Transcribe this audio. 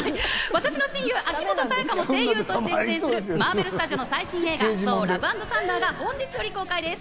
私の親友、秋元才加も声優として出演するマーベル・スタジオの最新映画『ソー：ラブ＆サンダー』が本日より公開です。